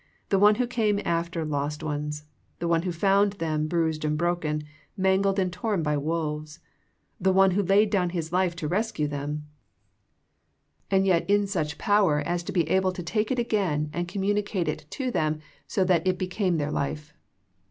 The One who came after lost ones. The One who found them bruised and broken ; mangled and torn by wolves. The One who laid down His life to rescue them, and yet in such 40 THE PEACTICE OF PKAYEE power as to be able to take it again and com municate it to them so that it became their life.